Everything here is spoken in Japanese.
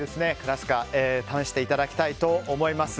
試していただきたいと思います。